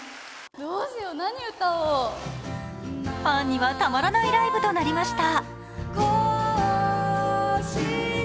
ファンにはたまらないライブとなりました。